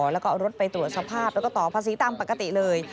แล้วก็เอารถไปตรวจสภาพแล้วก็ต่อภาษีตามปกติเลย